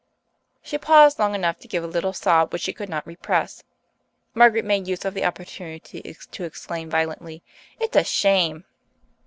She paused long enough to give a little sob which she could not repress. Margaret made use of the opportunity to exclaim violently, "It's a shame!"